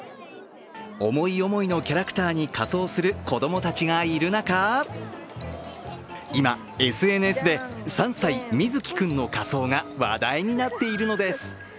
思い思いのキャラクターに仮装する子供たちがいる中、今、ＳＮＳで３歳みずき君の仮装が話題になっているんです。